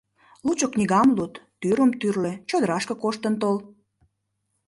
Лучо книгам луд, тӱрым тӱрлӧ, чодрашке коштын тол.